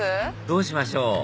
どうしましょう？